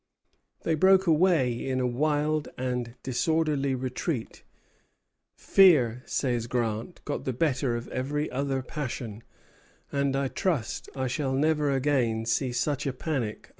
They broke away in a wild and disorderly retreat. "Fear," says Grant, "got the better of every other passion; and I trust I shall never again see such a panic among troops."